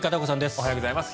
おはようございます。